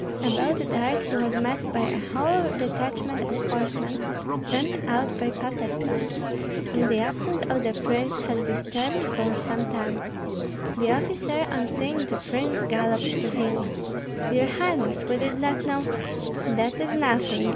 About dark he was met by a whole detachment of horsemen sent out by Patterson, whom the absence of the prince had disturbed for some time. The officer, on seeing the prince, galloped to him, "Your highness, we did not know " "That is nothing!"